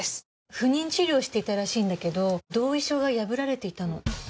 不妊治療をしてたらしいんだけど同意書が破られていたの。